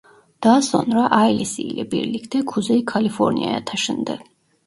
Daha sonra ailesiyle birlikte Kuzey Kaliforniya'ya taşındı.